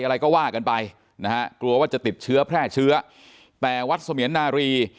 อะไรก็ว่ากันไปนะฮะกลัวว่าจะติดเชื้อแพร่เชื้อแต่วัดเสมียนนารี